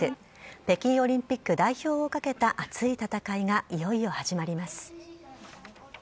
北京オリンピック代表をかけた熱い戦いがいよいよ始まります。